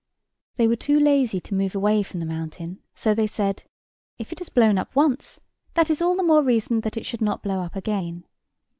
They were too lazy to move away from the mountain; so they said, If it has blown up once, that is all the more reason that it should not blow up again.